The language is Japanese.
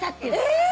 えっ！